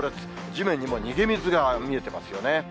地面にも逃げ水が見えてますよね。